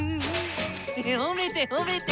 ほめてほめて！